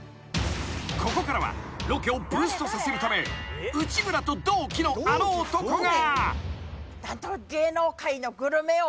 ［ここからはロケをブーストさせるため内村と同期のあの男が］